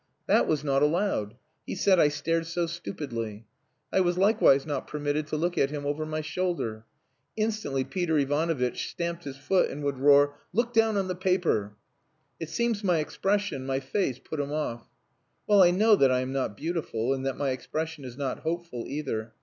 That was not allowed. He said I stared so stupidly. I was likewise not permitted to look at him over my shoulder. Instantly Peter Ivanovitch stamped his foot, and would roar, 'Look down on the paper!' It seems my expression, my face, put him off. Well, I know that I am not beautiful, and that my expression is not hopeful either.